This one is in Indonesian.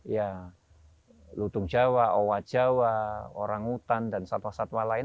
ya lutung jawa owa jawa orang hutan dan satwa satwa lain